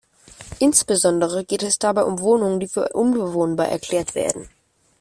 Insbesondere geht es dabei um Wohnungen, die für unbewohnbar erklärt werden.